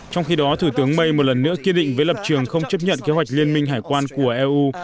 trong khi đó thủ tướng may một lần nữa kiên định với lập trường không chấp nhận kế hoạch liên minh hải quan của eu